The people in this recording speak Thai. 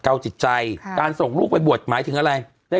เกราจิตใจค่ะการส่งลูกไปบววตหมายถึงอะไรได้